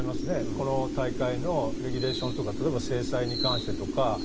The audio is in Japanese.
この大会のレギュレーションとか例えば制裁に関してとか。